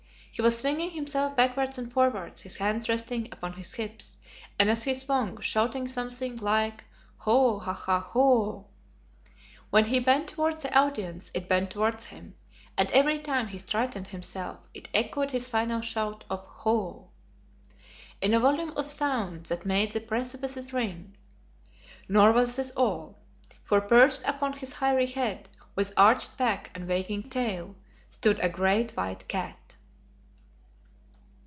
He was swinging himself backwards and forwards, his hands resting upon his hips, and as he swung, shouting something like "Ho, haha, ho!" When he bent towards the audience it bent towards him, and every time he straightened himself it echoed his final shout of "Ho!" in a volume of sound that made the precipices ring. Nor was this all, for perched upon his hairy head, with arched back and waving tail, stood a great white cat.